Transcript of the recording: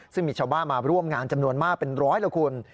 ซึ่งมีชาวบ้านมาร่วมงานจำนวนมากเป็นร้อยละคุณ